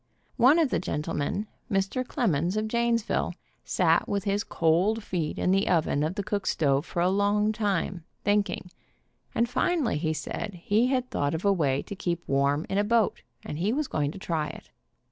One of the gentlemen, Mr. demons of Janes ville, sat with his cold feet in the oven of the cook stove for a long time, thinking, and finally he said he had thought of a way to. keep warm in a boat, and he was going to try it.